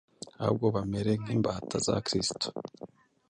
ahubwo bamere nk’imbata za Kristo,